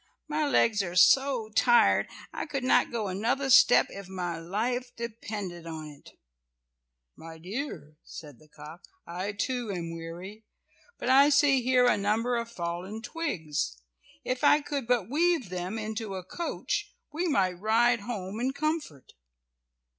My legs are so tired, I could not go another step if my life depended on it." "My dear," said the cock, "I too am weary, but I see here a number of fallen twigs. If I could but weave them into a coach we might ride home in comfort."